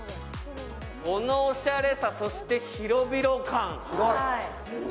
このオシャレさ、そして広々感。